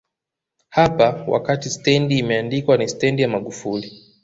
hapa wakati stendi imeandikwa ni Stendi ya Magufuli